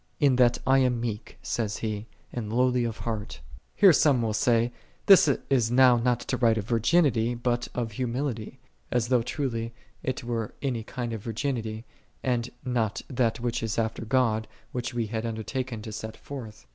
"In that I am meek," saith He, "and lowly of heart." 52. Here some one will say, This is now not to write of virginity, but of humility. As though truly it were any kind of virginity, and not that which is after God, which we had undertaken to set forth.